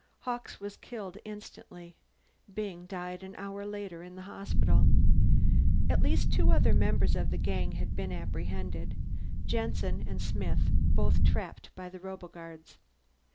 Hawkes was killed instantly; Byng died an hour later in the hospital. At least two other members of the gang had been apprehended Jensen and Smith, both trapped by the roboguards.